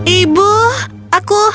ibu aku tidak